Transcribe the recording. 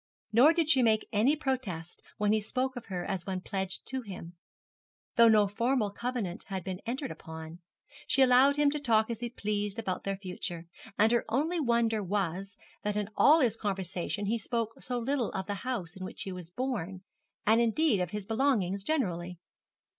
Nor did she make any protest when he spoke of her as one pledged to him, though no formal covenant had been entered upon. She allowed him to talk as he pleased about their future; and her only wonder was, that in all his conversation he spoke so little of the house in which he was born, and indeed of his belongings generally.